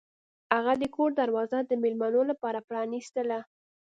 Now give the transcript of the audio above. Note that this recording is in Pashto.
هغه د کور دروازه د میلمنو لپاره پرانیستله.